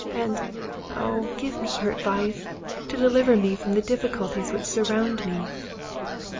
And, oh! give me your advice, to deliver me from the difficulties which surround me."